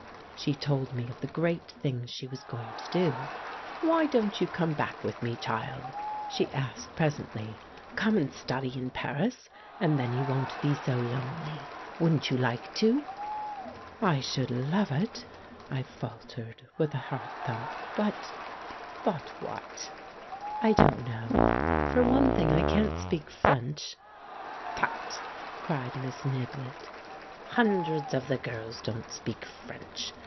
She told me of the great things she was going to do. "Why don't you come back with me, child?" she asked presently. "Come and study in Paris, and then you won't be so lonely. Wouldn't you like to?" "I should love it," I faltered, with a heart thump, "but " "But, what?" THE PRINCE IN THE FAIRY TALE 203 "I don't know. ... For one thing, I can't speak French." "Tut," cried Miss Niblett. "Hundreds of the girls don't speak French.